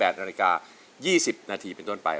นาฬิกา๒๐นาทีเป็นต้นไป